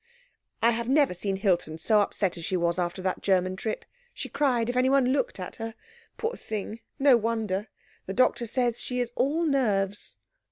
"I have never seen Hilton so upset as she was after that German trip. She cried if anyone looked at her. Poor thing, no wonder. The doctor says she is all nerves."